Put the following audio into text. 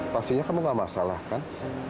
pastinya kamu gak masalah kan